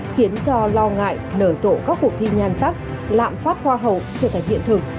khiến cho lo ngại nở rộ các cuộc thi nhan sắc lạm phát hoa hậu trở thành hiện thực